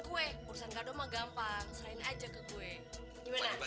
kue urusan kado mah gampang selain aja ke kue gimana